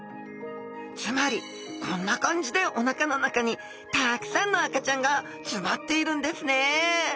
つまりこんな感じでお腹の中にたくさんの赤ちゃんが詰まっているんですね。